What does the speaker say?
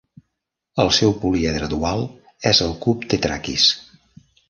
El seu políedre dual és el cub tetrakis.